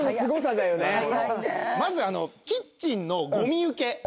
まずキッチンのゴミ受け。